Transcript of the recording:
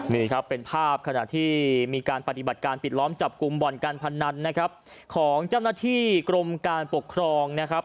นี่ครับเป็นภาพขณะที่มีการปฏิบัติการปิดล้อมจับกลุ่มบ่อนการพนันนะครับของเจ้าหน้าที่กรมการปกครองนะครับ